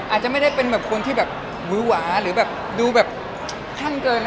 อาจจะไม่ได้เป็นแบบคนที่แบบวื้อหวาหรือแบบดูแบบขั้นเกินนะ